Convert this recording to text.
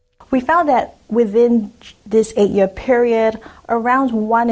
kami menemukan bahwa dalam periode delapan tahun ini